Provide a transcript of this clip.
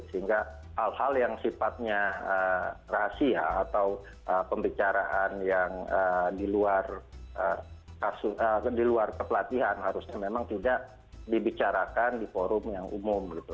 sehingga hal hal yang sifatnya rahasia atau pembicaraan yang di luar kepelatihan harusnya memang tidak dibicarakan di forum yang umum gitu